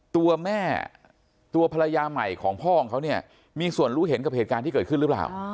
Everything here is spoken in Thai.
ตัวแม่ตัวภรรยาใหม่ของพ่อของเขาเนี่ยมีส่วนรู้เห็นกับเหตุการณ์ที่เกิดขึ้นหรือเปล่า